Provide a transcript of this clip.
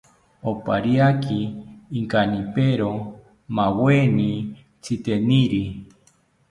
Opariaki inkanipero maaweni tziteniri